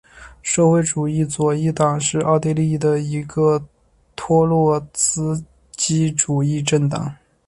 社会主义左翼党是奥地利的一个托洛茨基主义政党。